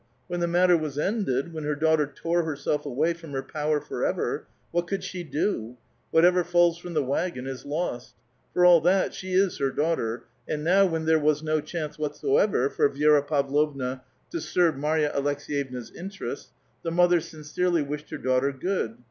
When the mat ter was ended, when iier daughter tore herself away from her power forever, what could she do ? Whatever falls from the wagon is lost. For all that, she is her daughter ; and now, when tliere was no chance whatsoever for Vi^ra Pavlovna to serve Marva Aleks^vevna's interests, the mother, sincerely wished her daughtiT good.